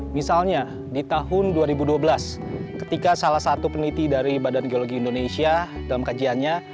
misalnya di tahun dua ribu dua belas ketika salah satu peneliti dari badan geologi indonesia dalam kajiannya